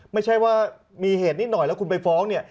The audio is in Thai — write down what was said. ไม่ใช่ว่ามีเหตุนิดหน่อยแล้วคุณไปฟ้องเนี่ย